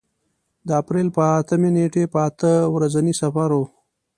د اپرېل په اتمې نېټې په اته ورځني سفر و.